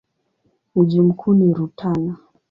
Mji mkuu ni Rutana.